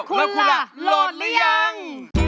แล้วคุณล่ะโหลดหรือยัง